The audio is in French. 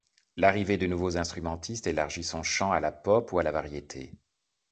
L'arrivée de nouveaux instrumentistes élargit son champ à la pop ou à la variété.